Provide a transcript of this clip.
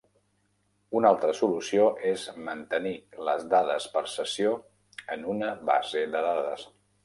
Una altra solució és mantenir les dades per sessió en una base de dades.